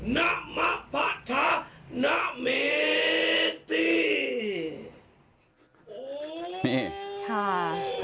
นมพะทะนเมติ